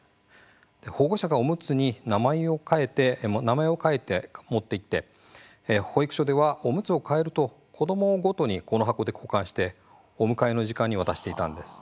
保護者がおむつに名前を書いて持っていって保育所ではおむつを替えると子どもごとに、この箱で保管してお迎えの時間に渡していたんです。